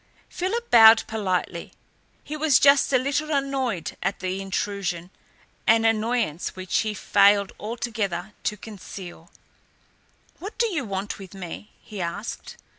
Philip bowed politely. He was just a little annoyed at the intrusion, an annoyance which he failed altogether to conceal. "What do you want with me?" he asked.